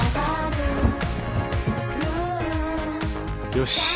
よし。